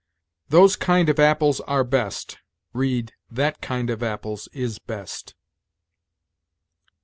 "Those kind of apples are best": read, "That kind of apples is best."